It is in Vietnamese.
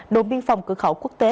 đồn biên phòng cửa khẩu quốc tế